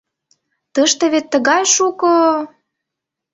Тыште вет тыгай шуко!